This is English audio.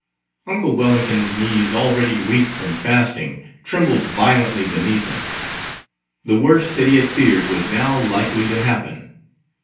Uncle Wellington's knees, already weak from fasting, trembled violently beneath him. The worst that he had feared was now likely to happen.